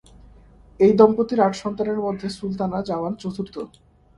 এই দম্পতির আট সন্তানের মধ্যে সুলতানা জামান চতুর্থ।